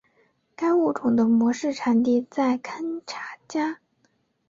该物种的模式产地在堪察加。